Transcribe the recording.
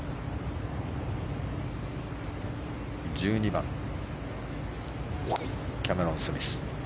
１２番、キャメロン・スミス。